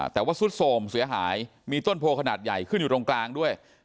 แต่ว่าสุดโสมเสียหายมีต้นโพขนาดใหญ่ขึ้นอยู่ตรงกลางด้วย